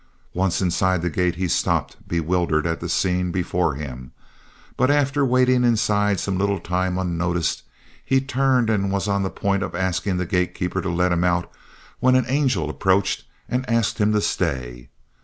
Once inside the gate he stopped, bewildered at the scene before him. But after waiting inside some little time unnoticed, he turned and was on the point of asking the gate keeper to let him out, when an angel approached and asked him to stay.